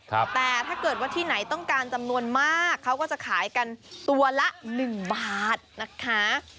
แต่ถ้าเกิดว่าที่ไหนต้องการจำนวนมากเขาก็จะขายกันตัวละ๑บาทนะคะ